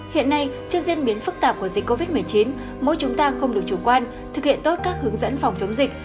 hiện nay trước diễn biến phức tạp của dịch covid một mươi chín mỗi chúng ta không được chủ quan thực hiện tốt các hướng dẫn phòng chống dịch